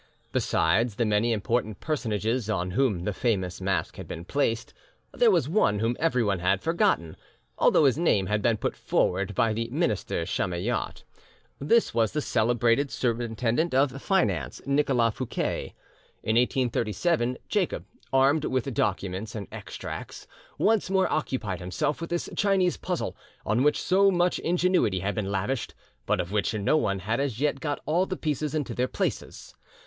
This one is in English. Besides the many important personages on whom the famous mask had been placed, there was one whom everyone had forgotten, although his name had been put forward by the minister Chamillart: this was the celebrated Superintendent of Finance, Nicolas Fouquet. In 1837, Jacob, armed with documents and extracts, once more occupied himself with this Chinese puzzle on which so much ingenuity had been lavished, but of which no one had as yet got all the pieces into their places.